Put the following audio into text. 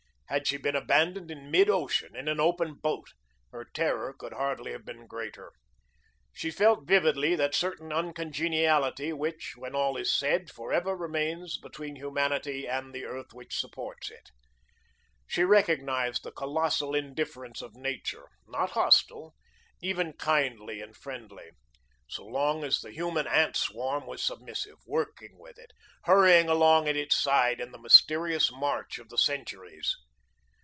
Had she been abandoned in mid ocean, in an open boat, her terror could hardly have been greater. She felt vividly that certain uncongeniality which, when all is said, forever remains between humanity and the earth which supports it. She recognised the colossal indifference of nature, not hostile, even kindly and friendly, so long as the human ant swarm was submissive, working with it, hurrying along at its side in the mysterious march of the centuries.